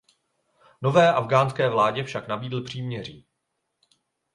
Nové afghánské vládě však nabídl příměří.